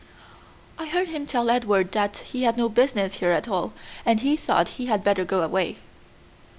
"I heard him tell Edward that he had no business here at all, and he thought he had better go away."